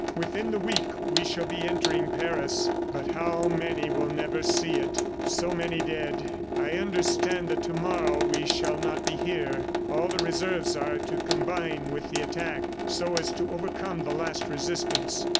Within the week, we shall be entering Paris. ... But how many will never see it! So many dead! ... I understand that to morrow we shall not be here. All the Reserves are to combine with the attack so as to overcome the last resistance.